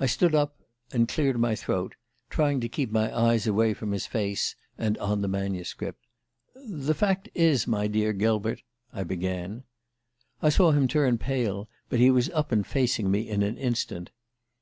"I stood up and cleared my throat, trying to keep my eyes away from his face and on the manuscript. "'The fact is, my dear Gilbert,' I began "I saw him turn pale, but he was up and facing me in an instant.